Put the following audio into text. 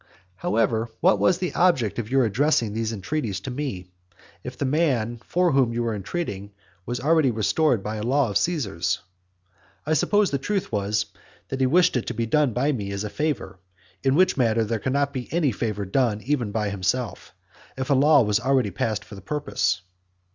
However, what was the object of your addressing these entreaties to me, if the man for whom you were entreating was already restored by a law of Caesar's? I suppose the truth was, that he wished it to be done by me as a favour; in which matter there could not be any favour done even by himself, if a law was already passed for the purpose.